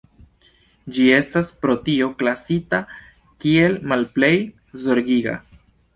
Ĝi estas pro tio klasita kiel "Malplej Zorgiga".